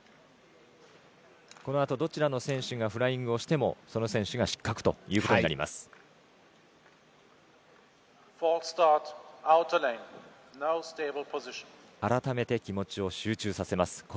このあと、どちらの選手がフライングをしてもその選手が失格ということになります。